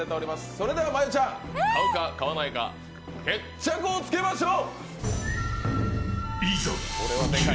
それでは買うか、買わないか、決着をつけましょう。